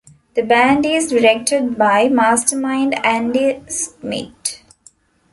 The band is directed by Mastermind Andy Schmidt.